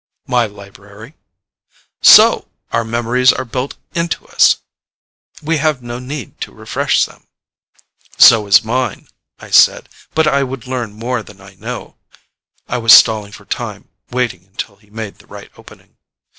"My library." "So! Our memories are built into us. We have no need to refresh them." "So is mine," I said. "But I would learn more than I know." I was stalling for time, waiting until he made the right opening.